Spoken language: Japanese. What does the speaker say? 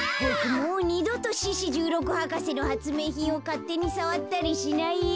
もうにどと獅子じゅうろく博士のはつめいひんをかってにさわったりしないよ。